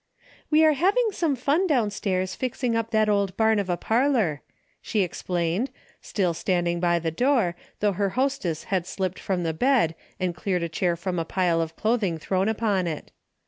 "We are having some fun downstairs fixing up that old barn of a parlor," she explained, still standing by the door, though her hostess had slipped from the bed and cleared a chair from a pile of clothing thrown upon it.